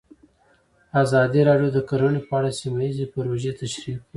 ازادي راډیو د کرهنه په اړه سیمه ییزې پروژې تشریح کړې.